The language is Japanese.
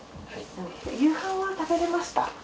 夕飯は食べれました？